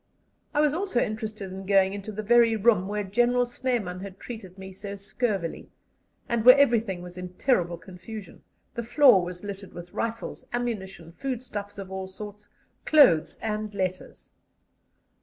I was also interested in going into the very room where General Snyman had treated me so scurvily, and where everything was in terrible confusion: the floor was littered with rifles, ammunition, food stuffs of all sorts, clothes, and letters.